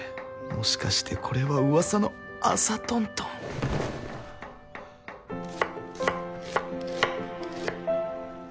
もしかしてこれはうわさの朝トントンはぁ。